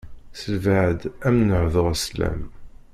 S lbeɛd am n-hduɣ slam.